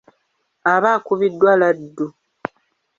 Aba akubiddwa laddu.